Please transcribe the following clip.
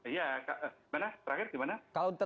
iya gimana terakhir gimana